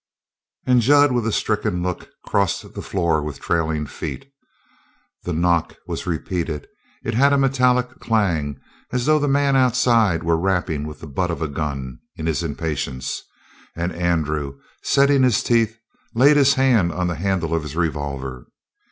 And Jud, with a stricken look, crossed the floor with trailing feet. The knock was repeated; it had a metallic clang, as though the man outside were rapping with the butt of a gun in his impatience, and Andrew, setting his teeth, laid his hand on the handle of his revolver.